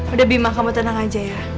udah bima kamu tenang aja ya